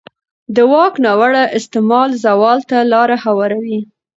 د واک ناوړه استعمال زوال ته لاره هواروي